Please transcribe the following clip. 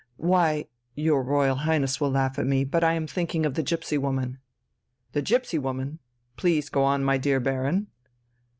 "Why, your Royal Highness will laugh at me; but I am thinking of the gipsy woman." "The gipsy woman? Please go on, my dear Baron!"